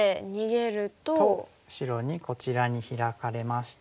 白にこちらにヒラかれまして。